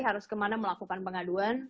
harus kemana melakukan pengaduan